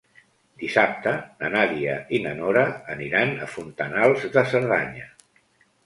Dissabte na Nàdia i na Nora aniran a Fontanals de Cerdanya.